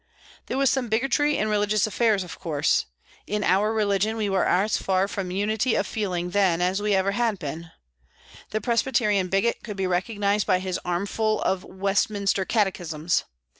There was some bigotry in religious affairs, of course. In our religion we were as far from unity of feeling then as we had ever been. The Presbyterian bigot could be recognised by his armful of Westminster catechisms.